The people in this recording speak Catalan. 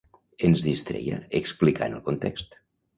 Ens distreia explicant el context.